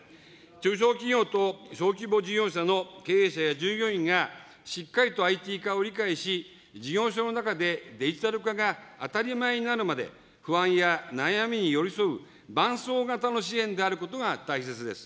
中小企業と小規模事業者の経営者や従業員が、しっかりとＩＴ化を理解し、事業所の中でデジタル化が当たり前になるまで、不安や悩みに寄り添う伴走型の支援であることが大切です。